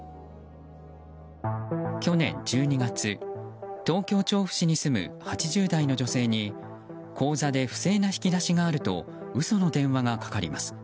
去年１２月、東京・調布市に住む８０代の女性に口座で不正な引き出しがあると嘘の電話がかかります。